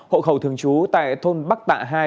hộ khẩu thường trú tại thôn bắc tạ hai